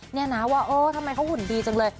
นี่นะว่าเออทำไมเขาหุ่นดีจังเลย